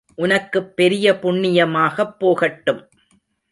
உனக்குப் பெரிய புண்ணியமாகப் போகட்டும்.